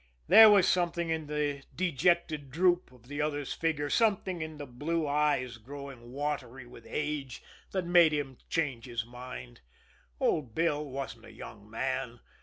There was something in the dejected droop of the other's figure, something in the blue eyes growing watery with age that made him change his mind old Bill wasn't a young man.